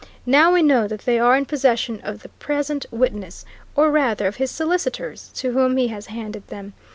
Now, we know that they are in possession of the present witness, or rather, of his solicitors, to whom he has handed them.